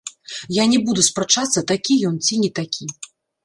Я не буду спрачацца, такі ён ці не такі.